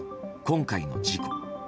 今回の事故。